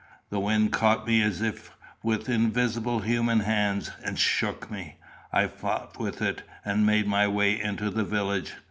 The wind caught me as if with invisible human hands, and shook me. I fought with it, and made my way into the village.